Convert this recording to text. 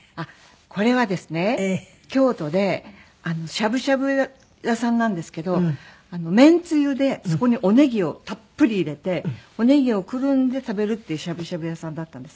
これはですね京都でしゃぶしゃぶ屋さんなんですけどめんつゆでそこにおネギをたっぷり入れておネギをくるんで食べるっていうしゃぶしゃぶ屋さんだったんです。